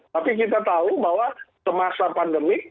tapi kita tahu bahwa semasa pandemi